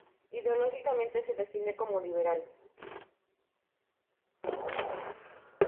Ideológicamente se define como liberal.